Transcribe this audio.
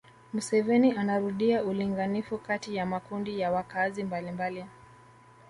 Museveni anarudia ulinganifu kati ya makundi ya wakaazi mbalimbali